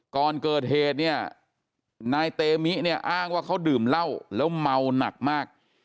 ก่อนเกิดเหตุเนี่ยนายเตมิเนี่ยอ้างว่าเขาดื่มเหล้าแล้วเมาหนักมาก